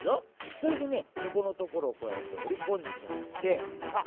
それでねここのところをこうやっておりこんじゃってさあ